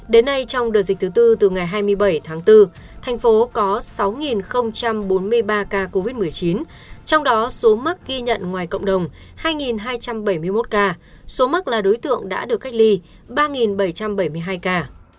đến nay trong đợt dịch thứ tư từ ngày hai mươi bảy tháng bốn thành phố có sáu bốn mươi ba ca covid một mươi chín trong đó số mắc ghi nhận ngoài cộng đồng hai hai trăm bảy mươi một ca số mắc là đối tượng đã được cách ly ba bảy trăm bảy mươi hai ca